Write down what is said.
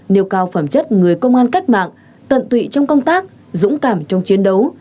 nêu cao phẩm chất người công an cách mạng tận tụy trong công tác dũng cảm trong chiến đấu